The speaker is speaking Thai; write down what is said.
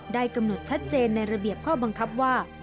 กำหนดชัดเจนในระเบียบข้อบังคับว่า